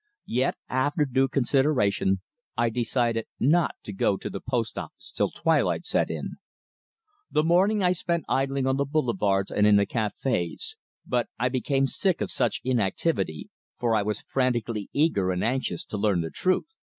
Yet, after due consideration, I decided not to go to the post office till twilight set in. The morning I spent idling on the Boulevards and in the cafés, but I became sick of such inactivity, for I was frantically eager and anxious to learn the truth.